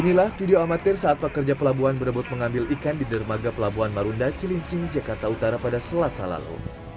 inilah video amatir saat pekerja pelabuhan berebut mengambil ikan di dermaga pelabuhan marunda cilincing jakarta utara pada selasa lalu